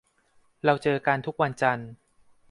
เราเจอกันทุกวันจันทร์